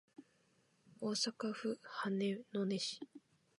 大阪府羽曳野市